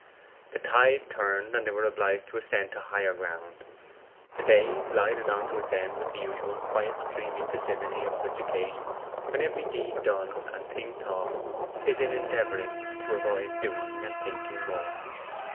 The tide turned, and they were obliged to ascend to higher ground. The day glided on to its end with the usual quiet dreamy passivity of such occasions when every deed done and thing thought is in endeavouring to avoid doing and thinking more.